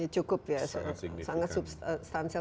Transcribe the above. cukup ya sangat substansial